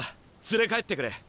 連れ帰ってくれ。